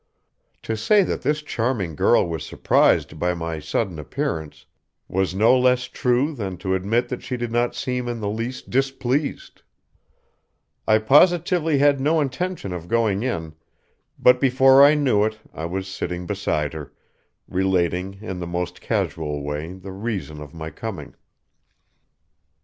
To say that this charming girl was surprised by my sudden appearance was no less true than to admit that she did not seem in the least displeased. I positively had no intention of going in, but before I knew it I was sitting beside her, relating in the most casual way the reason of my coming.